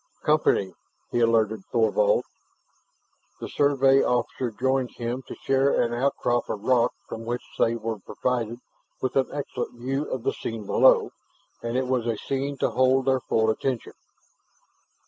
"Company!" he alerted Thorvald. The Survey officer joined him to share an outcrop of rock from which they were provided with an excellent view of the scene below, and it was a scene to hold their full attention.